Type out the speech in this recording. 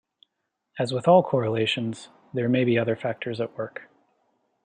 As with all correlations, there may be other factors at work.